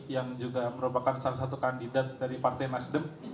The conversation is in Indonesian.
dan juga merupakan salah satu kandidat dari partai nasdem